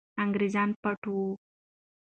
انګریزان پټ وو.